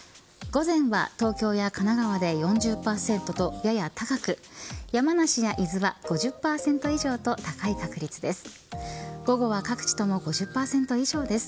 午前は東京や神奈川で４０％とやや高く、山梨や伊豆は５０％以上と高い確率です。